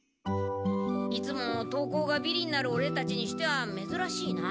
いつも登校がビリになるオレたちにしてはめずらしいな。